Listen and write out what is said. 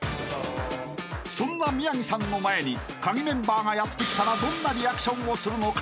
［そんな宮城さんの前にカギメンバーがやって来たらどんなリアクションをするのか？］